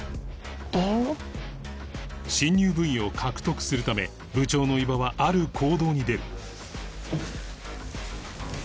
新入部員を獲得するため部長の伊庭はある行動に出る